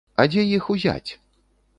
А дзе іх узяць?